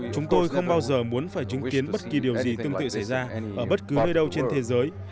chúng tôi không bao giờ muốn phải chứng kiến bất kỳ điều gì tương tự xảy ra ở bất cứ nơi đâu trên thế giới